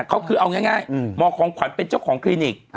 เขาคือเอาง่ายหมอของขวัญเป็นเจ้าของคลินิก